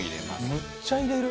むっちゃ入れる。